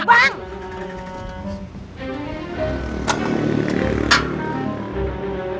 bukain dulu ya